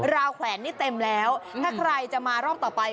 ราวแขวนนี่เต็มแล้วถ้าใครจะมารอบต่อไป